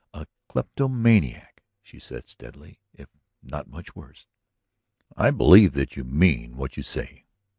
A kleptomaniac," she said steadily, "if not much worse." "I believe that you mean what you say.